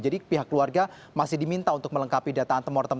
jadi pihak keluarga masih diminta untuk mengubah data antemortem